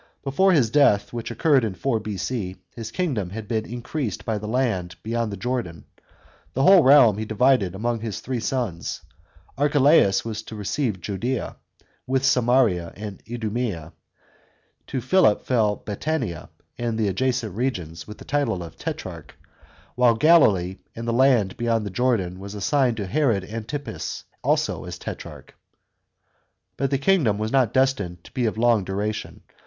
Before his death, which occurred in 4 B.C., his kingdom had been increased by the land beyond the Jordan. The whole realm he divided among his three sons. Archelaus was to receive Judea, with Samaria and Idumea; to Philip fell Batanea and the adjacent regions, with the title of tetrarch ; while Galilee and the land beyond the Jordan were assigned to Herod Antipas, also as tetrarch. But the kingdom was not destined to be of long duration.